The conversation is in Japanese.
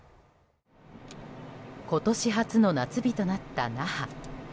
今年初の夏日となった那覇。